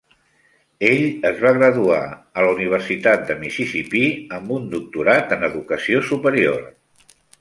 Ell es va graduar de la Universitat de Mississipí amb un doctorat en educació superior.